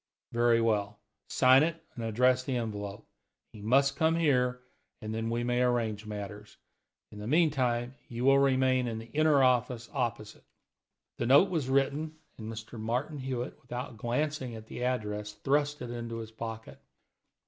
Very well; sign it, and address the envelope. He must come here, and then we may arrange matters. In the meantime, you will remain in the inner office opposite." The note was written, and Martin Hewitt, without glancing at the address, thrust it into his pocket.